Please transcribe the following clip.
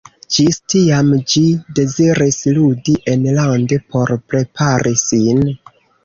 Ĝis tiam ĝi deziris ludi enlande por prepari sin.